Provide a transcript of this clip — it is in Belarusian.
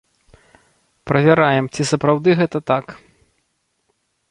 Правяраем, ці сапраўды гэта так.